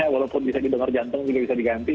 walaupun bisa di donor jantung juga bisa diganti